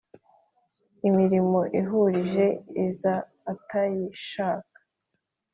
imirimo iruhije iza atayishaka,